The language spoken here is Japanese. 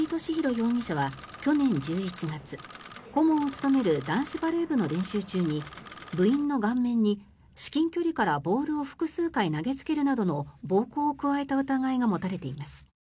容疑者は去年１１月顧問を務める男子バレー部の練習中に部員の顔面に至近距離からボールを複数回投げつけるなどの暴行を加えた疑いが持たれています。